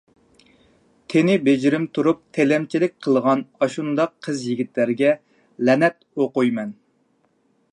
تېنى بېجىرىم تۇرۇپ تىلەمچىلىك قىلغان ئاشۇنداق قىز-يىگىتلەرگە لەنەت ئوقۇيمەن!